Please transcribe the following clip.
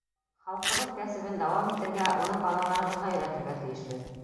— Халҡыбыҙ кәсебен дауам итергә, уны балаларыбыҙға өйрәтергә тейешбеҙ.